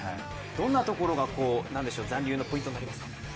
どんなところが残留のポイントになりますか？